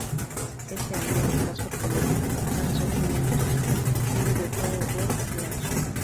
Ese año, The Casual Collective lanzó "Minions", un videojuego web flash.